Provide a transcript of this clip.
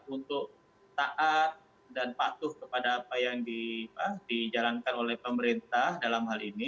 untuk taat dan patuh kepada apa yang dijalankan oleh pemerintah dalam hal ini